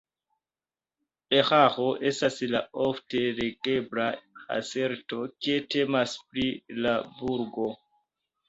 Eraro estas la ofte legebla aserto, ke temas pri la burgo.